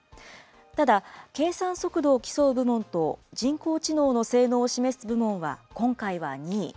ただ、計算速度を競う部門と人工知能の性能を示す部門は今回は２位。